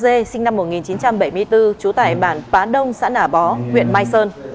mùa a z sinh năm một nghìn chín trăm bảy mươi bốn trú tại bản bá đông xã nả bó huyện mai sơn